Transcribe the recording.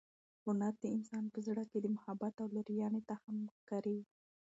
هنر د انسان په زړه کې د محبت او لورینې تخم کري.